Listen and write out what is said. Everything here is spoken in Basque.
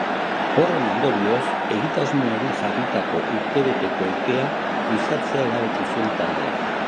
Horren ondorioz, egitasmoari jarritako urtebeteko epea luzatzea erabaki zuen taldeak.